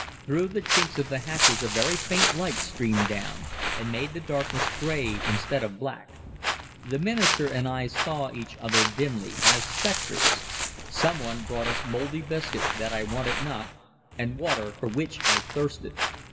Through the chinks of the hatches a very faint light streamed down, and made the darkness gray instead of black. The minister and I saw each other dimly, as spectres. Some one brought us mouldy biscuit that I wanted not, and water for which I thirsted.